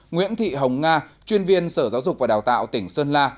nguyễn thị hồng nga chuyên viên sở giáo dục và đào tạo tỉnh sơn la